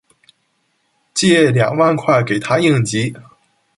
借两万块给她应急